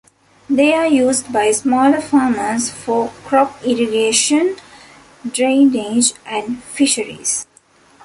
They are used by smaller farmers for crop irrigation, drainage and fisheries.